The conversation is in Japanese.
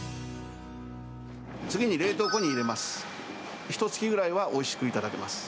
次に冷凍庫に入れます。